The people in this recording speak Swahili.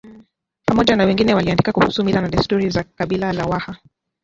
Pamoja na wengine waliandika kuhusu Mila na desturi za kabila la Waha